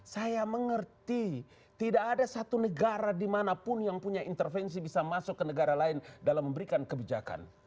saya mengerti tidak ada satu negara dimanapun yang punya intervensi bisa masuk ke negara lain dalam memberikan kebijakan